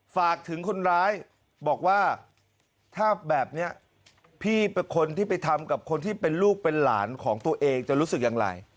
ฝากถึงคนร้ายบอกว่าถ้าแบบนี้พี่เป็นคนที่ไปทำกับคนที่เป็นลูกเป็นหลานของตัวเองจะรู้สึกอย่างไร